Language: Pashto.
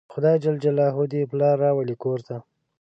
خدای ج دې پلار راولي کور ته